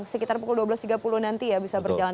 sekitar pukul dua belas tiga puluh nanti ya bisa berjalan